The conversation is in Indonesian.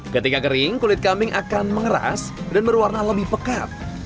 ketika kering kulit kambing akan mengeras dan berwarna lebih pekat